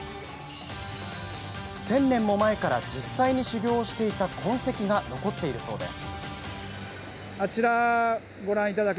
１０００年も前から実際に修行をしていた痕跡が残っているそうです。